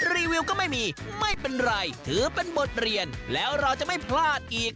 รีวิวก็ไม่มีไม่เป็นไรถือเป็นบทเรียนแล้วเราจะไม่พลาดอีก